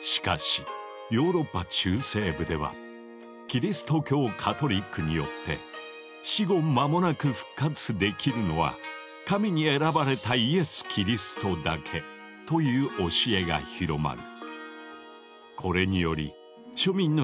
しかしヨーロッパ中西部ではキリスト教カトリックによって「死後間もなく復活できるのは神に選ばれたイエス・キリストだけ」という教えが広まる。